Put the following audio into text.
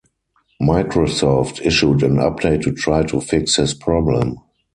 Microsoft issued an update to try to fix his problem.